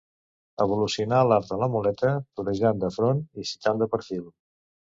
Evolucionà l'art de la muleta torejant de front i citant de perfil.